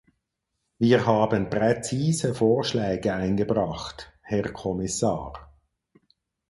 Wir haben präzise Vorschläge eingebracht, Herr Kommissar.